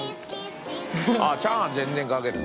チャーハン全然かける。